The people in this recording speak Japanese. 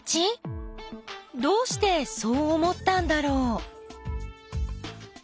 どうしてそう思ったんだろう。